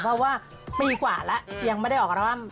เพราะว่าปีกว่าแล้วยังไม่ได้ออกอัลบั้ม